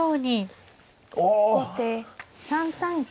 後手３三金。